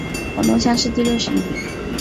广东乡试第六十一名。